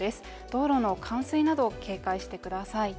道路の冠水など警戒してください。